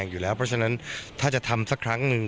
เพราะฉะนั้นถ้าจะทำสักครั้งหนึ่ง